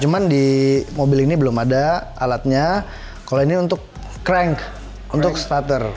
cuman di mobil ini belum ada alatnya kalau ini untuk crank untuk starter